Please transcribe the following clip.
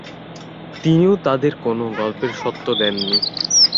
তিনিও তাদের কোন গল্পের স্বত্ব দেন নি।